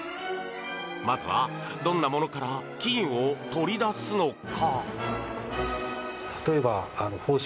まずは、どんなものから金を取り出すのか？